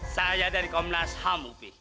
saya dari komnas ham upi